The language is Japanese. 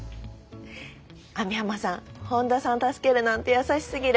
網浜さん本田さん助けるなんて優しすぎる。